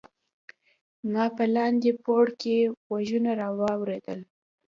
ما په لاندې پوړ کې غږونه واوریدل.